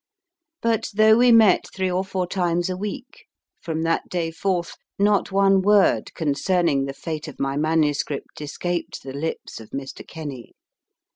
But though we met three or four times a week, from that day forth not one word concerning the fate of my manuscript escaped the lips of Mr. Kenny.